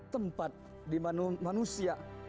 tempat diman manusia